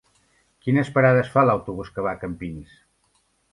Quines parades fa l'autobús que va a Campins?